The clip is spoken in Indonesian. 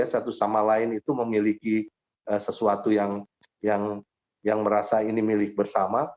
satu sama lain itu memiliki sesuatu yang merasa ini milik bersama